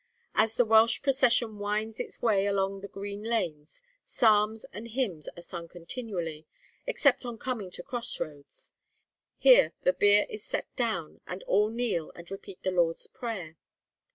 As the Welsh procession winds its way along the green lanes, psalms and hymns are sung continually, except on coming to cross roads. Here the bier is set down, and all kneel and repeat the Lord's Prayer.